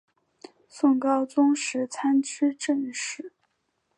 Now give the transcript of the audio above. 宋高宗时参知政事。